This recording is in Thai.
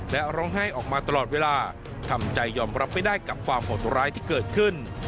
และร้องไห้ออกมาตลอดเวลาทำใจยอมรับไม่ได้กับความโหดร้ายที่เกิดขึ้น